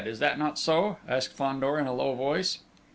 Is that not so?" asked Fandor in a low voice.